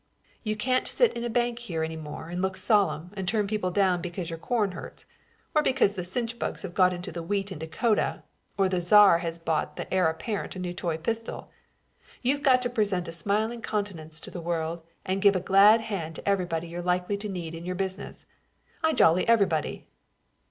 You can't sit in a bank here any more and look solemn and turn people down because your corn hurts or because the chinch bugs have got into the wheat in Dakota or the czar has bought the heir apparent a new toy pistol. You've got to present a smiling countenance to the world and give the glad hand to everybody you're likely to need in your business. I jolly everybody!"